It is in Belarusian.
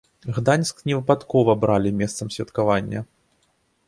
Гданьск не выпадкова абралі месцам святкавання.